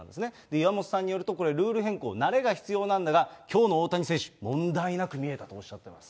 岩本さんによると、これ、ルール変更、慣れが必要なんだが、きょうの大谷選手、問題なく見えたとおっしゃっています。